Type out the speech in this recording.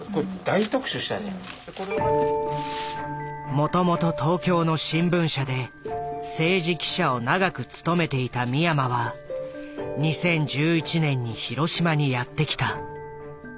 もともと東京の新聞社で政治記者を長く務めていた三山は２０１１年に広島にやって来た。